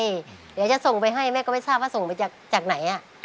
เดี๋ยวจะส่งไปให้แม่ก็ไม่ทราบว่าส่งไปจากไหน